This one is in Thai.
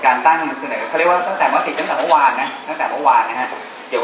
การตั้งเสนอตั้งแต่เมื่อที่เมื่อกลางวัน